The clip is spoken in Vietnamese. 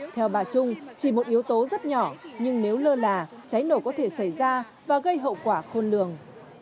theo bà trung chỉ một yếu tố rất nhỏ nhưng nếu lơ là cháy nổ có thể xảy ra và gây hậu quả khôn lường